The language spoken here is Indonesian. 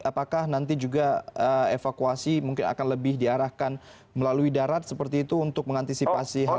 apakah nanti juga evakuasi mungkin akan lebih diarahkan melalui darat seperti itu untuk mengantisipasi hal hal